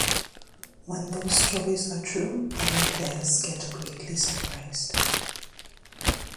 When those stories are true, other players get greatly surprised.